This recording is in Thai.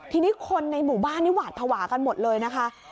ทีนี้คนในหมู่บ้านนี่หวาดภาวะกันหมดเลยนะคะ